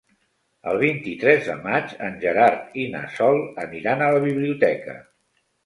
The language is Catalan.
El vint-i-tres de maig en Gerard i na Sol aniran a la biblioteca.